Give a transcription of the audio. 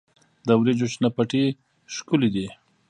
د وریجو شنه پټي ښکلي دي.